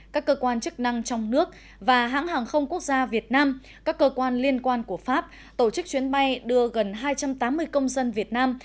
các cơ quan chức năng trong nước và hãng hàng không quốc gia việt nam các cơ quan liên quan của pháp tổ chức chuyến bay đưa gần hai trăm tám mươi công dân việt nam